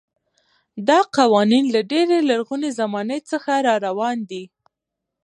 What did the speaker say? دا قوانین له ډېرې لرغونې زمانې څخه راروان دي.